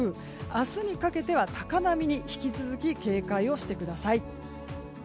明日にかけては高波に引き続き警戒をしてください。